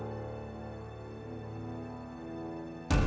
minta ya pengaksiannya buat menangani air there